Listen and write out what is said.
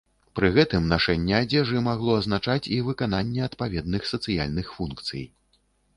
Пры гэтым нашэнне адзежы магло азначаць і выкананне адпаведных сацыяльных функцый.